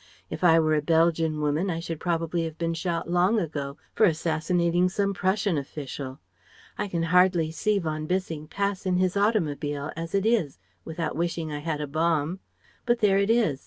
If I were a Belgian woman I should probably have been shot long ago for assassinating some Prussian official I can hardly see von Bissing pass in his automobile, as it is, without wishing I had a bomb. But there it is.